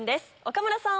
岡村さん！